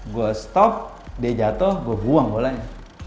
gue stop dia jatuh gue buang bolanya